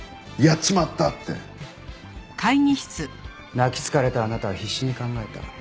泣きつかれたあなたは必死に考えた。